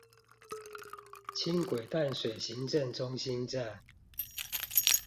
輕軌淡水行政中心站